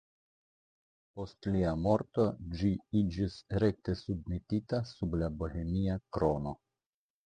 Post lia morto ĝi iĝis rekte submetita sub la Bohemia krono.